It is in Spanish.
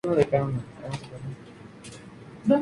Se abrían nuevas posibilidades de cultivos.